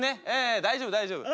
大丈夫大丈夫。